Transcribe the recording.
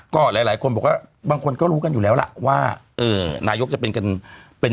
ก็หลายคนบอกว่าบางคนก็รู้กันอยู่แล้วล่ะว่านายกจะเป็นกันเป็น